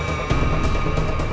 tidak tidak tidak